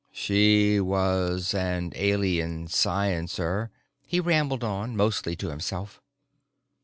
"She was an Alien sciencer," he rambled on, mostly to himself.